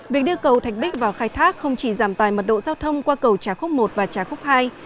việc đưa cầu thạch bích vào khai thác không chỉ giảm tài mật độ giao thông qua cầu trà khúc i và trà khúc ii